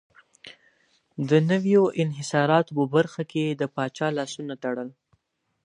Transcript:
د نویو انحصاراتو په برخه کې یې د پاچا لاسونه تړل.